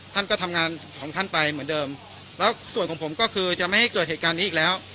ท่านก็ทำงานของท่านไปเหมือนเดิมแล้วส่วนของผมก็คือจะไม่ให้เกิดเหตุการณ์นี้อีกแล้ว